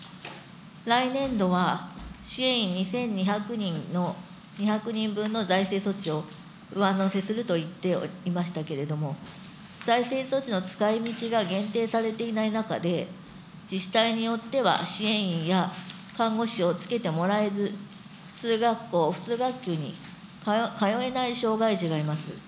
来年度は支援員２２００人の、２２００人分の財政措置を上乗せすると言っていましたけれども、財政措置の使いみちが限定されていない中で、自治体によっては支援員や看護師をつけてもらえず、普通学校、普通学級に通えない障害児がいます。